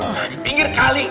nah di pinggir kali